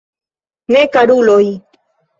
Ne, karuloj.